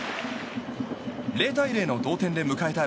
０対０の同点で迎えた